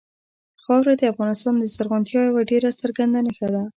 خاوره د افغانستان د زرغونتیا یوه ډېره څرګنده نښه ده.